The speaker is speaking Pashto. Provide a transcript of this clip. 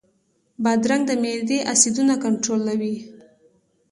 بادرنګ د معدې اسیدونه کنټرولوي.